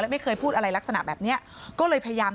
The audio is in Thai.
พี่น้องของผู้เสียหายแล้วเสร็จแล้วมีการของผู้เสียหาย